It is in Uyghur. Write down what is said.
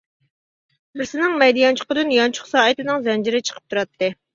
بىرسىنىڭ مەيدە يانچۇقىدىن يانچۇق سائىتىنىڭ زەنجىرى چىقىپ تۇراتتى.